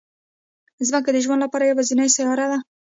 ځمکه د ژوند لپاره یوازینی سیاره ده